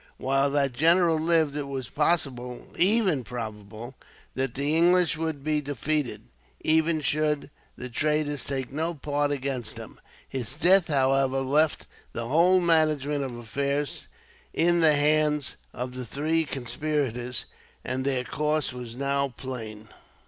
While that general lived it was possible, even probable, that the English would be defeated, even should the traitors take no part against them. His death, however, left the whole management of affairs in the hands of the three conspirators, and their course was now plain.